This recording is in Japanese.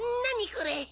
これ。